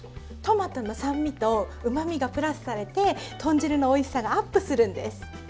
トマトの酸味とうまみがプラスされて豚汁のおいしさがアップするんです。